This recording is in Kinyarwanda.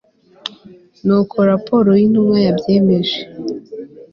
n'uko raporo y'intumwa yabyemeje